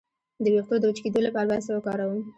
د ویښتو د وچ کیدو لپاره باید څه وکاروم؟